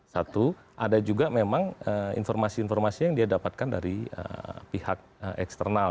satu ada juga memang informasi informasi yang dia dapatkan dari pihak eksternal